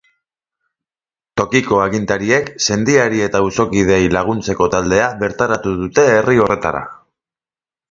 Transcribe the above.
Tokiko agintariek sendiari eta auzokideei laguntzeko taldea bertaratu dute herri horretara.